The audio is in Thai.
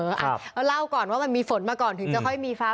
เล่าก่อนว่ามันมีฝนมาก่อนถึงจะค่อยมีฟ้า